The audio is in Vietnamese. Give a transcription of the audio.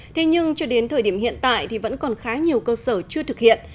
thế nhưng cho đến thời điểm hiện tại thì vẫn còn khá nhiều cơ sở chưa thực hiện